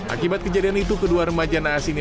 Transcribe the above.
akibat kejadian itu kedua remaja naas ini